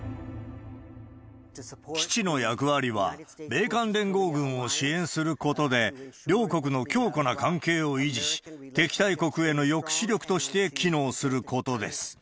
基地の役割は米韓連合軍を支援することで、両国の強固な関係を維持し、敵対国への抑止力として機能することです。